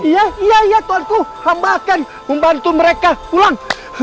iya iya iya tuanku hamba akan membantu mereka pulang